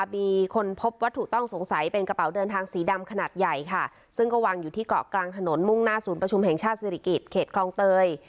มีคนพบวัตถุต้องสงสัยเป็นกระเป๋าเดินทางสีดำขนาดใหญ่ค่ะซึ่งก็วางอยู่ที่เกาะกลางถนนมุ่งหน้าศูนย์ประชุมแห่งชาติศิริกิจเขตคลองเตย